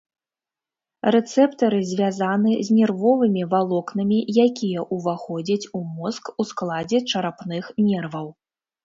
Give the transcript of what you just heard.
Рэцэптары звязаны з нервовымі валокнамі, якія ўваходзяць у мозг у складзе чарапных нерваў.